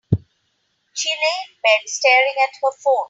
She lay in bed, staring at her phone.